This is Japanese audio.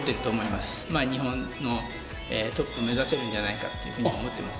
まあ日本のトップ目指せるんじゃないかっていうふうに思ってます